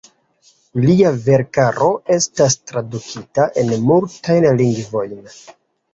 Lia verkaro estas tradukita en multajn lingvojn.